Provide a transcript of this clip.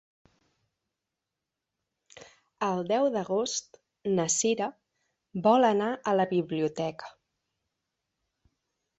El deu d'agost na Cira vol anar a la biblioteca.